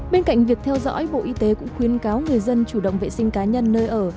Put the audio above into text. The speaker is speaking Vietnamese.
bên cạnh việc theo dõi bộ y tế cũng khuyến cáo người dân chủ động vệ sinh cá nhân nơi ở